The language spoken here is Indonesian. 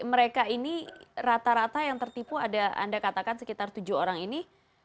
mereka ini rata rata yang tertipu ada anda katakan sekitar tujuh orang ini